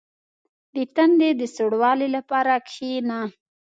• د تندي د سوړوالي لپاره کښېنه.